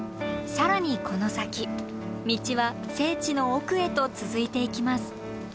更にこの先道は聖地の奥へと続いていきます。